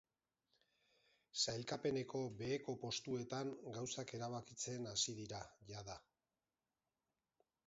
Sailkapeneko beheko postuetan gauzak erabakitzen hasi dira, jada.